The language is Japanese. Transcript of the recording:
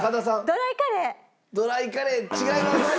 ドライカレー違います。